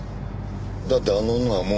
だってあの女はもう。